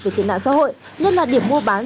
về tệ nạn xã hội nhất là điểm mua bán